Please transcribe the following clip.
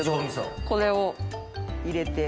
これを入れて。